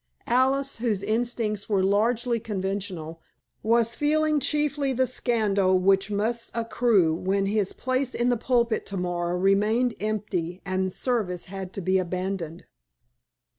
Alice, whose instincts were largely conventional, was feeling chiefly the scandal which must accrue when his place in the pulpit to morrow remained empty and service had to be abandoned.